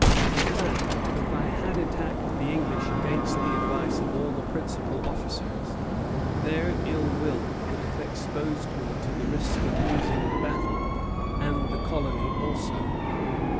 In fact, if I had attacked the English against the advice of all the principal officers, their ill will would have exposed me to the risk of losing the battle and the colony also."